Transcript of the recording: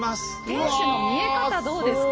天主の見え方どうですか？